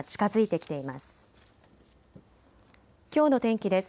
きょうの天気です。